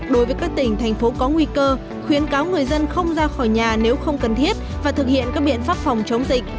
đối với các tỉnh thành phố có nguy cơ khuyến cáo người dân không ra khỏi nhà nếu không cần thiết và thực hiện các biện pháp phòng chống dịch